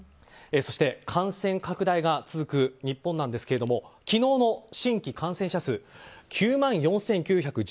そして、感染拡大が続く日本ですが昨日の新規感染者数９万４９１３人。